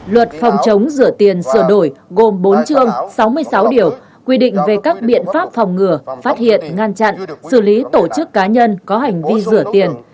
luật phòng chống rửa tiền sửa đổi gồm bốn chương sáu mươi sáu điều quy định về các biện pháp phòng ngừa phát hiện ngăn chặn xử lý tổ chức cá nhân có hành vi rửa tiền